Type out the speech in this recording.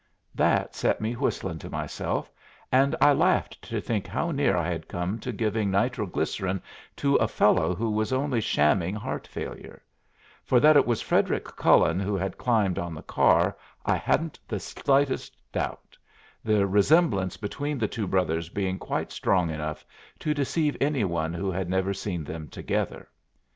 That set me whistling to myself, and I laughed to think how near I had come to giving nitroglycerin to a fellow who was only shamming heart failure; for that it was Frederic Cullen who had climbed on the car I hadn't the slightest doubt, the resemblance between the two brothers being quite strong enough to deceive any one who had never seen them together.